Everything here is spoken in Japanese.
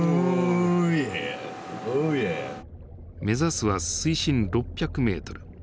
目指すは水深６００メートル。